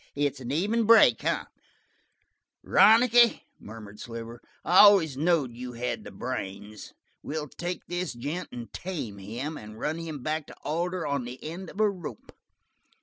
It's an even break, eh?" "Ronicky," murmured Sliver, "I always knowed you had the brains. We'll take this gent and tame him, and run him back to Alder on the end of a rope."